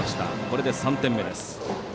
これで３点目です。